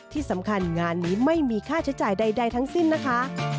ที่สำคัญงานนี้ไม่มีค่าใช้จ่ายใดทั้งสิ้นนะคะ